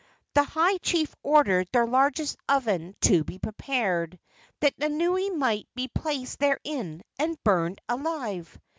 The high chief ordered their largest oven to be prepared, that Nanaue might be placed therein and burned alive.